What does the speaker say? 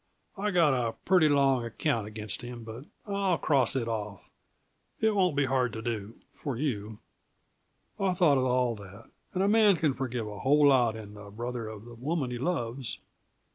I've got a pretty long account against him; but I'll cross it off. It won't be hard to do for you. I've thought of all that; and a man can forgive a whole lot in the brother of the woman he loves."